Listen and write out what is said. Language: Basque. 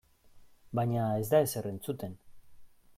Baina ez da ezer entzuten.